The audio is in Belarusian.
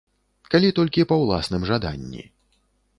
Калі толькі па ўласным жаданні.